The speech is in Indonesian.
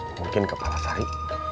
mungkin ke palasari